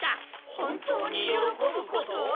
本当によろこぶこと？